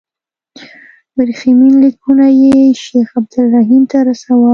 ورېښمین لیکونه یې شیخ عبدالرحیم ته رسول.